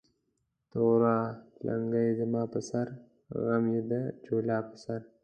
توره لنگۍ زما پر سر ، غم يې د جولا پر سر